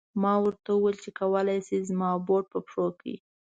ما ورته و ویل چې کولای شې زما بوټ په پښو کړې.